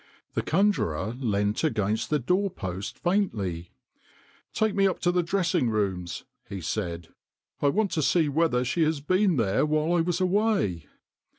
The conjurer leant against the doorpost faintly. " Take me up to the dressing rooms," he said. " I want to see whether she has been there while I was away."